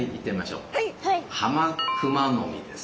ハマクマノミです。